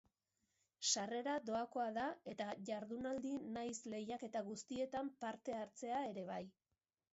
Sarrera doakoa da eta jardunaldi nahiz lehiaketa guztietan parte hartzea ere bai.